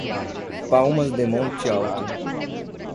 Palmas de Monte Alto